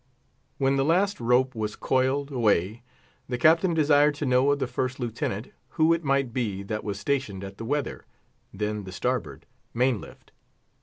When the last rope was coiled, away, the Captain desired to know of the First Lieutenant who it might be that was stationed at the weather (then the starboard) main lift.